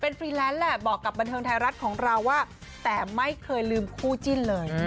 ฟรีแลนซ์แหละบอกกับบันเทิงไทยรัฐของเราว่าแต่ไม่เคยลืมคู่จิ้นเลย